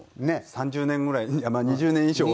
３０年ぐらい２０年以上は。